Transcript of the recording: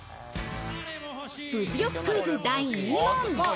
物欲クイズ、第２問。